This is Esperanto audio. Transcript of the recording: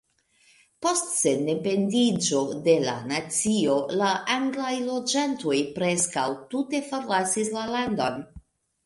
Post sendependiĝo de la nacio, la anglaj loĝantoj preskaŭ tute forlasis la landon.